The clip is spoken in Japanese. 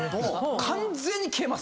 完全に消えます。